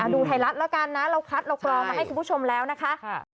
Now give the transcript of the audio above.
ดูไทยรัฐแล้วกันนะเราคัดเรากรองมาให้คุณผู้ชมแล้วนะคะ